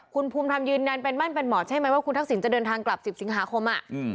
คุณภูมิธรรมยืนยันเป็นมั่นเป็นหมอใช่ไหมว่าคุณทักษิณจะเดินทางกลับ๑๐สิงหาคม